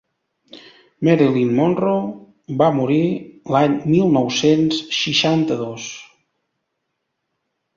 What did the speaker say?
Marilyn Monroe va morir l'any mil nou-cents seixanta-dos.